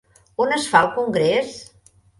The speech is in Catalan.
On es fa el congrés?